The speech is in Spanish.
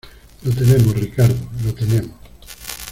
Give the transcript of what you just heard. ¡ lo tenemos, Ricardo , lo tenemos!